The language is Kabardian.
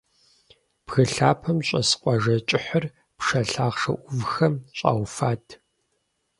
Бгы лъапэм щӀэс къуажэ кӀыхьыр пшэ лъахъшэ Ӏувхэм щӀауфат.